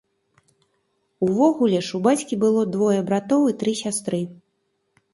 Увогуле ж у бацькі было двое братоў і тры сястры.